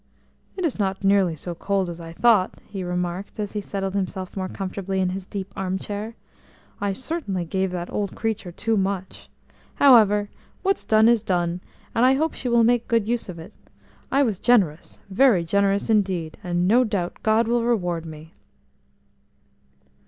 "It is not nearly so cold as I thought," he remarked as he settled himself more comfortably in his deep arm chair. "I certainly gave that old creature too much. However, what's done, is done, and I hope she will make good use of it. I was generous, very generous indeed, and no doubt God will reward me."